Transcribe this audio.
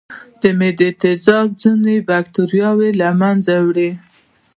د معدې تیزاب ځینې بکتریاوې له منځه وړي.